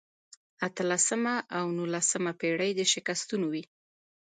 اتلسمه او نولسمه پېړۍ د شکستونو وې.